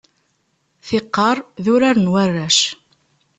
Tiqqar, d urar n warrac.